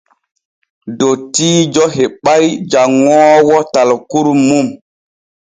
Dottiijo heɓay janŋoowo talkuru mum.